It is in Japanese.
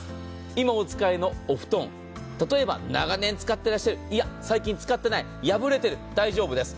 今お使いのお布団、例えば長年使ってらっしゃる、いや、最近使ってない、破れてる、大丈夫です。